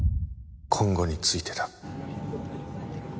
今後についてだ。